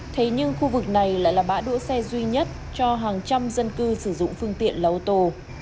thế nhưng khu vực này lại là bãi đỗ xe duy nhất cho hàng trăm dân cư sử dụng phương tiện là ô tô